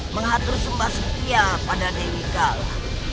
mengatur sembah setia pada tewikala